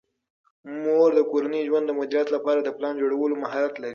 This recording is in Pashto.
مور د کورني ژوند د مدیریت لپاره د پلان جوړولو مهارت لري.